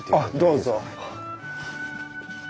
どうぞ。